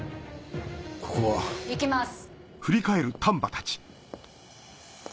ここは。行きます。